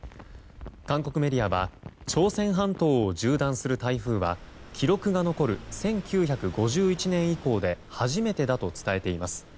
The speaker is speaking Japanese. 韓国メディアは朝鮮半島を縦断する台風は記録が残る１９５１年以降で初めてだと伝えています。